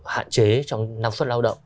hạn chế trong năng suất lao động